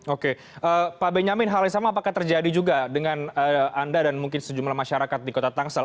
oke pak benyamin hal yang sama apakah terjadi juga dengan anda dan mungkin sejumlah masyarakat di kota tangsel